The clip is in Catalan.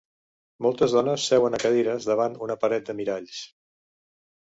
Moltes dones seuen a cadires davant una paret de miralls.